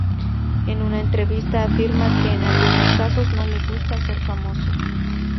En una entrevista afirma que, en algunos casos, no le gusta ser famoso.